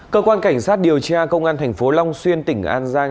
cơ quan cảnh sát điều tra công an tp long xuyên tỉnh an giang